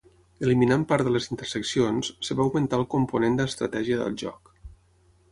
Eliminant part de les interseccions, es va augmentar el component d'estratègia del joc.